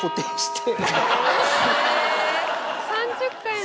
３０回も。